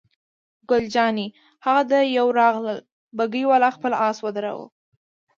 ګل جانې: هغه د یوه راغلل، بګۍ والا خپل آس ودراوه.